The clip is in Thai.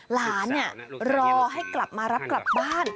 รอให้กลับมารับกลับบ้าน